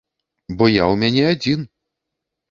Бо я ў мяне адзін.